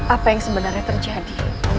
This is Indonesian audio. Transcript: apa yang sebenarnya terjadi